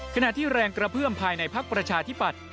ขณะที่แรงกระเพื่อมภายในพักประชาธิปัตย